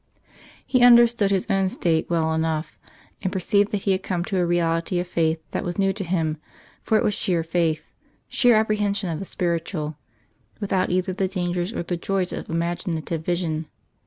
He understood his own state well enough, and perceived that he had come to a reality of faith that was new to him, for it was sheer faith sheer apprehension of the Spiritual without either the dangers or the joys of imaginative vision.